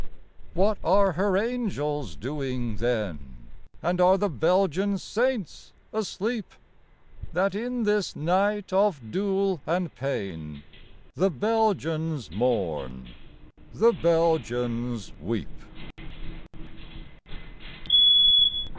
What are her angels doing then, And are the Belgian saints asleep, That in this night of dule and pain The Belgians mourn, the Belgians weep